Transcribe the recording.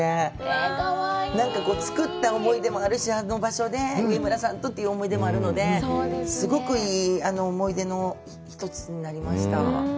作った思い出もあるし、あの場所で上村さんとという思い出もあるので、すごくいい思い出の一つになりました。